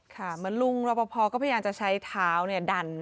เหมือนลุงรอบพอก็พยายามจะใช้เท้าเนี่ยดัน